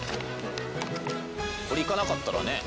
これいかなかったらねえ。